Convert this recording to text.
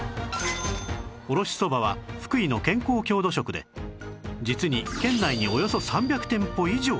おろしそばは福井の健康郷土食で実に県内におよそ３００店舗以上